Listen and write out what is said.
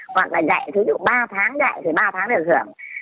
hoặc là dạy thí dụ ba tháng dạy thì ba tháng được hưởng